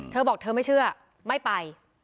เธอบอกเธอไม่เชื่อไม่ไป